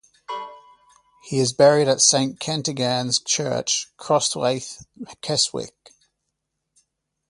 He is buried at Saint Kentigern's Church, Crosthwaite, Keswick.